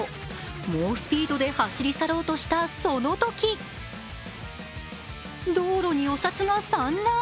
猛スピードで走り去ろうとしたそのとき、道路にお札が散乱。